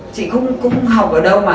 chị cũng học ở đâu mà